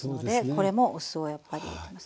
これもお酢をやっぱり入れます。